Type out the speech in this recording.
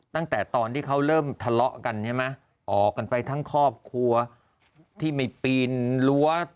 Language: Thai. ตั้งแต่ตอนที่เขาเริ่มทะเลาะกันใช่ไหมออกกันไปทั้งครอบครัวที่ไม่ปีนรั้ว